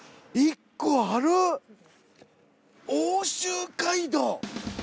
奥州街道！